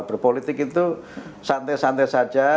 berpolitik itu santai santai saja